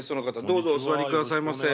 どうぞお座りくださいませ。